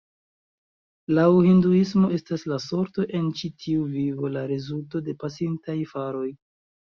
Laŭ Hinduismo estas la sorto en ĉi tiu vivo la rezulto de pasintaj faroj.